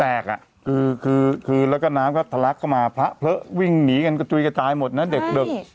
ในคือแล้วก็น้ำควาดถลักเพลิกผลวิ่งหนีกันกระจุยกระจายหมดนั่นเด็กดึง